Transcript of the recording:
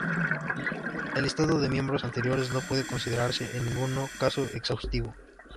El listado de miembros anteriores no puede considerarse en ningún caso exhaustivo.